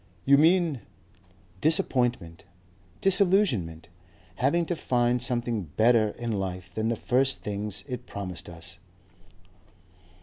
"You mean?" "Disappointment. Disillusionment. Having to find something better in life than the first things it promised us."